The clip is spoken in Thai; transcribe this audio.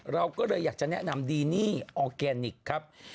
เราก็เลยอยากจะแนะนำดีนี่ออร์แกนิคครับ